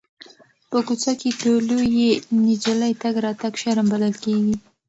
په کوڅه کې د لویې نجلۍ تګ راتګ شرم بلل کېږي.